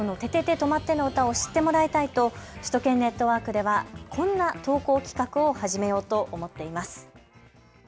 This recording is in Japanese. とまって！の歌を知ってもらいたいと首都圏ネットワークではこんな投稿企画を始めようと思っています。